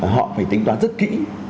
họ phải tính toán rất kỹ